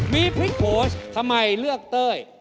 มีพลิกโค้ชทำไมเลือกเต้ย